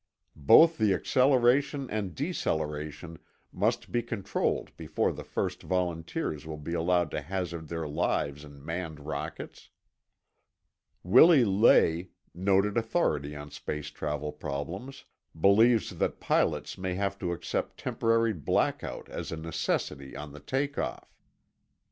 Both the acceleration and deceleration must be controlled before the first volunteers will be allowed to hazard their lives in manned rockets. Willi Ley, noted authority on space travel problems, believes that pilots may have to accept temporary blackout as a necessity on the take off.